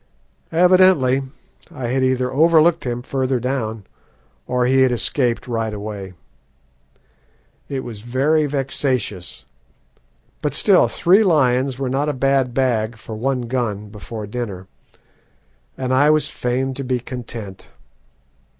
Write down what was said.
Evidently I had either overlooked him further down or he had escaped right away. It was very vexatious; but still three lions were not a bad bag for one gun before dinner, and I was fain to be content.